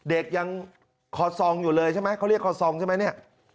เด็กยังคอซองอยู่เลยใช่ไหมเขาเรียกคอซองใช่ไหมเนี่ย